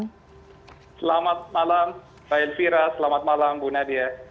selamat malam mbak elvira selamat malam bu nadia